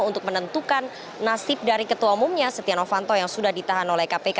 untuk menentukan nasib dari ketua umumnya setia novanto yang sudah ditahan oleh kpk